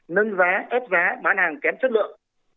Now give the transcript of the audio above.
nâng giá ép giá bán hàng kém chất lượng